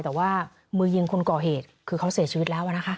แต่ว่ามือยิงคนก่อเหตุคือเขาเสียชีวิตแล้วนะคะ